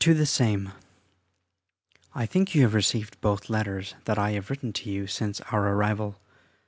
ANNECY, 1615. ... I think you have received both the letters that I have written to you since our arrival.